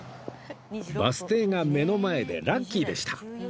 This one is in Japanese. バス停が目の前でラッキーでした